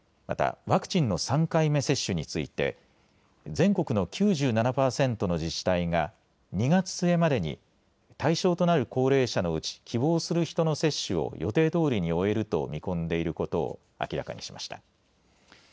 またワクチンの３回目接種について全国の９７パーセントの自治体が２月末までに対象となる高齢者のうち希望する人の接種を予定どおりに終えると見込んでいることを明らかにしました。